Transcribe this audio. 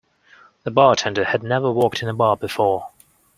The bartender had never worked in a bar before